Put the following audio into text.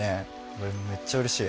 俺もめっちゃ嬉しい。